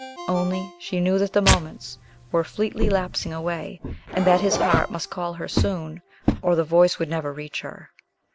Only, she knew that the moments were fleetly lapsing away, and that his heart must call her soon, or the voice would never reach her.